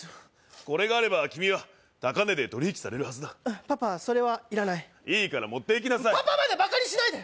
これがあれば君は高値で取り引きされるはずだパパそれはいらないいいから持っていきなさいパパまでバカにしないで！